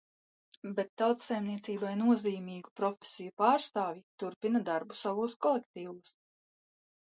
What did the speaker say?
Bet "tautsaimniecībai nozīmīgu" profesiju pārstāvji turpina darbu savos kolektīvos.